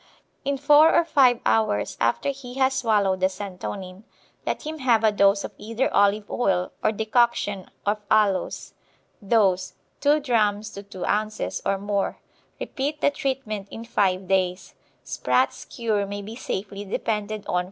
In four or five hours after he has swallowed the santonin, let him have a dose of either olive oil or decoction of aloes. Dose, 2 drachms to 2 ounces or more. Repeat the treatment in five days. Spratts' cure may be safely depended on for worms.